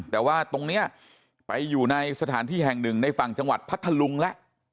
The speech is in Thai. แต่ว่าตรงนี้ไปอยู่ในสถานที่แห่งหนึ่งในฝั่งจังหวัดพัทธลุงแล้ว